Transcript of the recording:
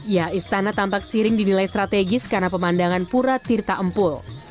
ya istana tampak siring dinilai strategis karena pemandangan pura tirta empul